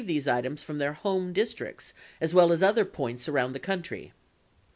151 receive these items from their home districts as well as other points around the country.